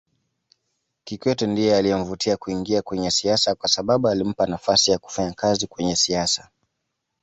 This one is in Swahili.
Kikwete ndiye aliyemvutia kuingia kwenye siasa kwasababu alimpa nafasi ya kufanya kazi kwenye siasa